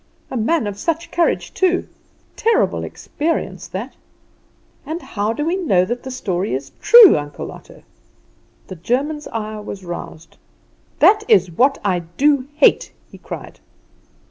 "A man of such courage, too! Terrible experience that!" "And how do we know that the story is true, Uncle Otto?" The German's ire was roused. "That is what I do hate!" he cried.